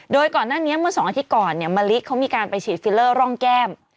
โดยก่อนหน้านี้เมื่อ๒อาทิตย์ก่อนเนี่ยมะลิเขามีการไปฉีดฟิลเลอร์ร่องแก้ม